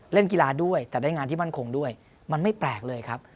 เล่นกีฬาด้วยแต่ได้งานที่มั่นคงด้วยมันไม่แปลกเลยครับ